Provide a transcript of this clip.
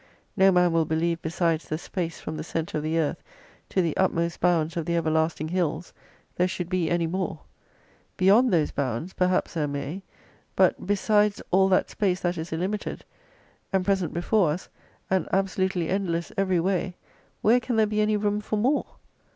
No man will believe besides the space from the centre of the earth to the utmost bounds of the everlasting hills, there should be any more. Beyond those bounds perhaps there may, but besides all that space that is illimited and present before us, and absolutely endless every way, where can there be any room for more